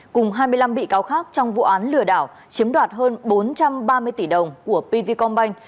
cùng hai mươi năm bị cáo khác trong vụ án lừa đảo chiếm đoạt hơn bốn trăm ba mươi tỷ đồng của pvcombank